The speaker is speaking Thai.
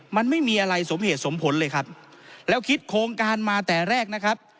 มันไม่มีอะไรสมเหตุสมผลเลยครับแล้วคิดโครงการมาแต่แรกนะครับ